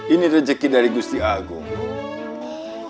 ini rezeki dari gusti agung